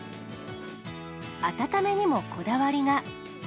温めにもこだわりが。